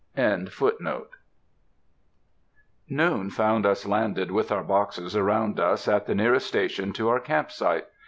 Noou found us landed with our boxes around us at the nearest station to our camp site.